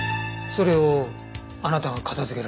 それをあなたが片付けられた？